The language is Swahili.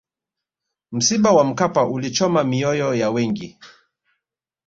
msiba wa mkapa ulichoma mioyo ya wengi